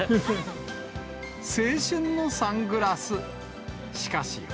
青春のサングラス。